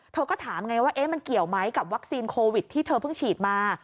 เธอก็ถามไงว่ามันเกี่ยวไหมกับวัคซีนโควิดที่เธอเพิ่งฉีดมา